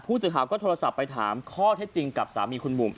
สื่อข่าวก็โทรศัพท์ไปถามข้อเท็จจริงกับสามีคุณบุ๋ม